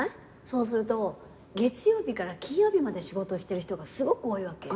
そうすると月曜日から金曜日まで仕事してる人がすごく多いわけ。